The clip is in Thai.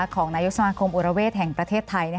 ของนายกสมาคมอุรเวศแห่งประเทศไทย